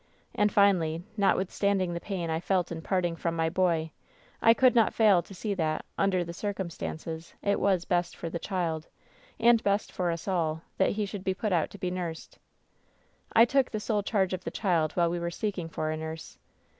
And, finally, notwithstanding the pain I felt in parting from my boy, I could not fail to see that, under the cir cumstances, it was best for the child, and best for us all, that he should be put out to be nursed. "I took the sole charge of the child while we were seeking for a nurse.